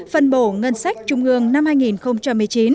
phân bổ ngân sách trung ương năm hai nghìn một mươi chín